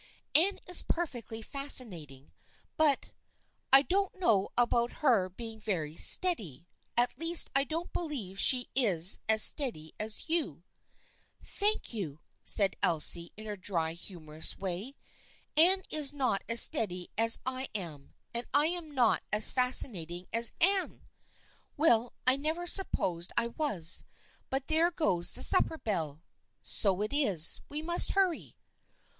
Anne is perfectly fascinating, but — I don't know about her being very steady. At least I don't believe she is as steady as you." " Thank you," said Elsie, in her dry, humorous way. " Anne is not as steady as I am, and I am not as fascinating as Anne ! Well, I never supposed I was. But there goes the supper bell." " So it is. We must hurry."